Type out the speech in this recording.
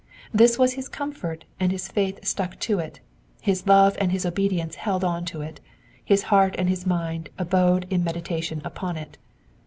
This was his comfort, and his faith stuck to it, his love and his obedience held on to it, his heart and his mind abode in meditation upon it.